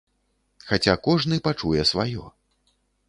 Хаця кожны пачуе сваё.